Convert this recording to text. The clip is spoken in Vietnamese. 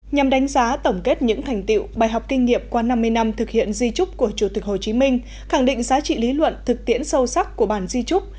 nhằm đánh giá tổng kết những thành tiệu bài học kinh nghiệm qua năm mươi năm thực hiện di trúc của chủ tịch hồ chí minh khẳng định giá trị lý luận thực tiễn sâu sắc của bản di trúc